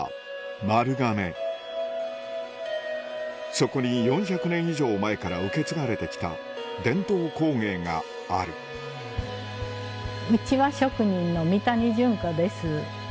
そこに４００年以上前から受け継がれてきた伝統工芸があるうちわ職人の三谷順子です。